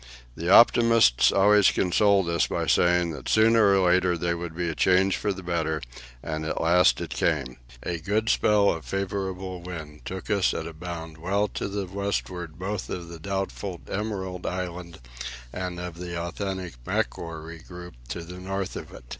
The optimists always consoled us by saying that sooner or later there would be a change for the better, and at last it came. A good spell of favourable wind took us at a bound well to the windward both of the doubtful Emerald Island and of the authentic Macquarie group to the north of it.